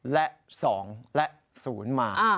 และ๒และ๐มา